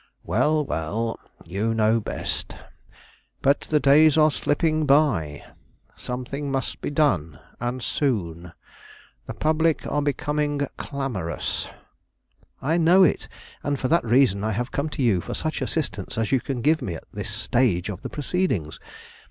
"Well, well; you know best. But the days are slipping by. Something must be done, and soon. The public are becoming clamorous." "I know it, and for that reason I have come to you for such assistance as you can give me at this stage of the proceedings.